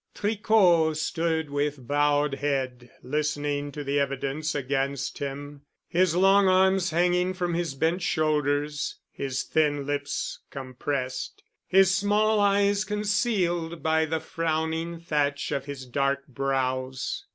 Tricot stood with bowed head, listening to the evidence against him, his long arms hanging from his bent shoulders, his thin lips compressed, his small eyes concealed by the frowning thatch of his dark brows.